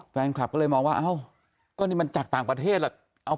แฟนคลับก็เลยมองว่าเอ้าก็นี่มันจากต่างประเทศแหละ